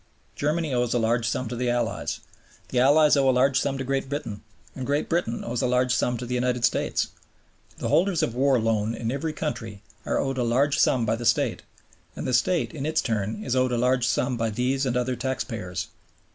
Germany owes a large sum to the Allies, the Allies owe a large sum to Great Britain, and Great Britain owes a large sum to the United States. The holders of war loan in every country are owed a large sum by the State, and the State in its turn is owed a large sum by these and other taxpayers.